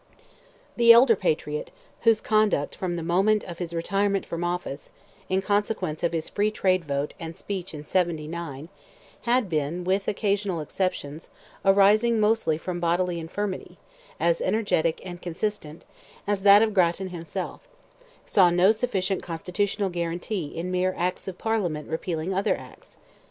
The elder Patriot, whose conduct from the moment of his retirement from office, in consequence of his Free Trade vote and speech in '79, had been, with occasional exceptions, arising mostly from bodily infirmity, as energetic and consistent as that of Grattan himself, saw no sufficient constitutional guarantee in mere acts of Parliament repealing other acts.